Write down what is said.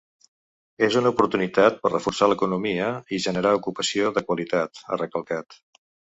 És una oportunitat per reforçar l’economia i generar ocupació de qualitat, ha recalcat.